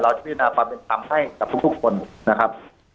เราจะพิจารณาความเป็นคำให้กับทุกคนนะครับ